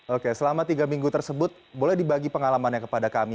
oke selama tiga minggu tersebut boleh dibagi pengalamannya kepada kami